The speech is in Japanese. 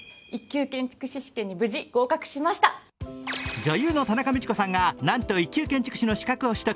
女優の田中道子さんがなんと一級建築士の資格を取得。